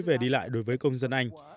về đi lại đối với công dân anh